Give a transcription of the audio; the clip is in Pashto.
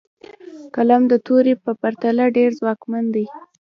قلم د تورې په پرتله ډېر ځواکمن دی.